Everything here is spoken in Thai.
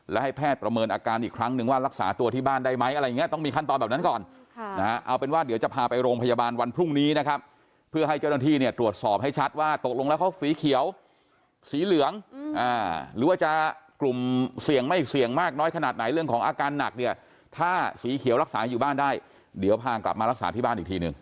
และให้แพทย์ประเมินอาการอีกครั้งนึงว่ารักษาตัวที่บ้านได้ไหมอะไรอย่างเงี้ยต้องมีคันตอนแบบนั้นก่อนเอาเป็นว่าเดี๋ยวจะพาไปโรงพยาบาลวันพรุ่งนี้นะครับเพื่อให้เจ้าหน้าที่เนี่ยตรวจสอบให้ชัดว่าตกลงแล้วเขาสีเขียวสีเหลืองหรือว่าจะกลุ่มเสี่ยงไม่เสี่ยงมากน้อยขนาดไหนเรื่องของอาการหนักเนี่ยถ้า